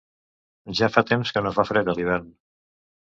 Ja fa temps que no fa fred a l'hivern.